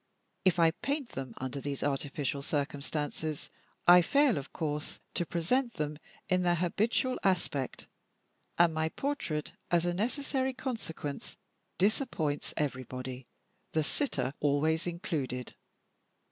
If I paint them, under these artificial circumstances, I fail of course to present them in their habitual aspect; and my portrait, as a necessary consequence, disappoints everybody, the sitter always included.